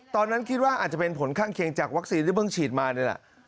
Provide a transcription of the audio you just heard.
ตอนนั้นคิดว่าอาจจะเป็นผลข้างเคียงจากวัคซีนที่เพิ่งฉีดมานี่แหละ